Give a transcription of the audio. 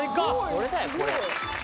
これだよこれ。